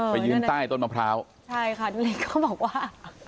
ไปยืนใต้ต้นมะพร้าวใช่ค่ะนาฬิกก็บอกว่า